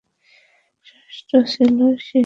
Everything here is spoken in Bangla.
ষষ্ঠ ছিল মীশা-এর গোত্র।